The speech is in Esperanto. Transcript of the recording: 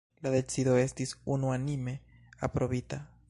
La decido estis unuanime aprobita.